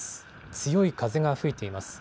強い風が吹いています。